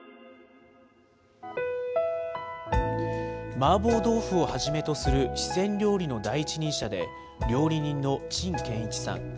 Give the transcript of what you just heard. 麻婆豆腐をはじめとする四川料理の第一人者で、料理人の陳建一さん。